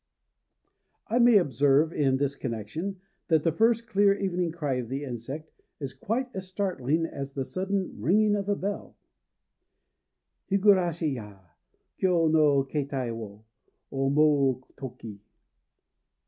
I may observe, in this connection, that the first clear evening cry of the insect is quite as startling as the sudden ringing of a bell: Higurashi ya! Kyô no kétai wo Omou toki.